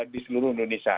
di seluruh indonesia